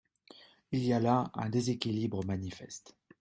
Il y a là un déséquilibre manifeste.